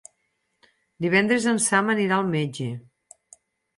Divendres en Sam anirà al metge.